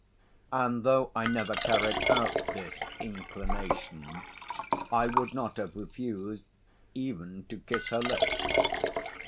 And though I never carried out this inclination, I would not have refused even to kiss her lips.